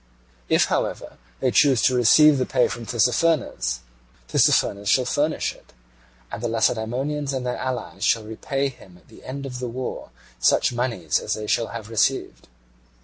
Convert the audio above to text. If, however, they choose to receive the pay from Tissaphernes, Tissaphernes shall furnish it: and the Lacedaemonians and their allies shall repay him at the end of the war such moneys as they shall have received.